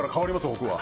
僕は